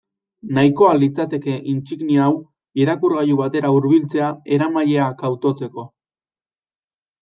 Nahikoa litzateke intsignia hau irakurgailu batera hurbiltzea eramailea kautotzeko.